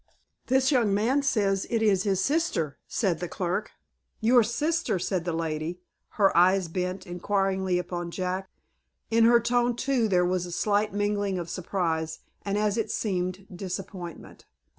"This young man says it is his sister," said the clerk. "Your sister!" said the lady, her eyes bent, inquiringly, upon Jack. In her tone, too, there was a slight mingling of surprise, and, as it seemed, disappointment.